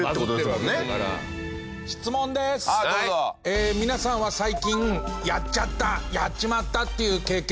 え皆さんは最近やっちゃったやっちまったっていう経験何かしてますか？